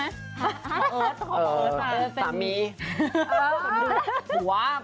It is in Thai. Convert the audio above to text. เอิร์ทอยู่นี้คุณหมอเอิร์ทความแอด